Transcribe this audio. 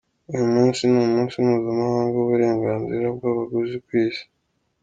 Uyu munsi ni umunsi mpuzamahanga w’uburenganzira bw’abaguzi ku isi.